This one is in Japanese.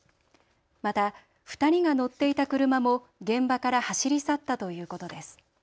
また２人が乗っていた車も現場から走り去ったということです。